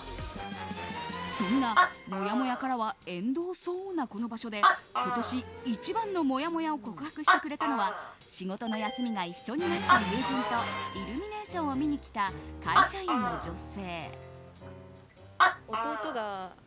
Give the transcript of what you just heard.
そんな、もやもやからは縁遠そうなこの場所で今年一番のもやもやを告白してくれたのは仕事の休みが一緒になった友人とイルミネーションを見に来た会社員の女性。